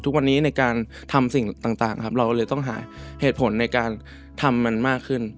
ทุกวันนี้ในการทำสิ่งต่างครับเราเลยต้องหาเหตุผลในการทำมันมากขึ้น